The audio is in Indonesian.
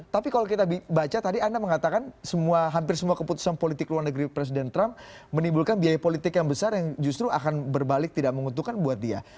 tapi kalau kita baca tadi anda mengatakan hampir semua keputusan politik luar negeri presiden trump menimbulkan biaya politik yang besar yang justru akan berbalik tidak menguntungkan buat dia